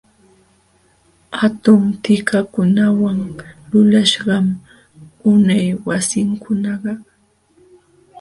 Hatun tikakunawan lulaśhqam unay wasikunakaq.